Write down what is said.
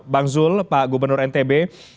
bang zul pak gubernur ntb